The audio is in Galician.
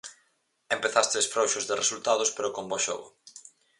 Empezastes frouxos de resultados pero con bo xogo.